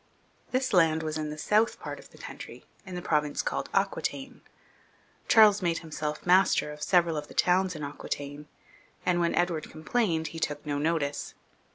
This land was in the south part of the country, in the province called Aquitaine. Charles made himself master of several of the towns in Aquitaine, and when Edward complained, he took no notice.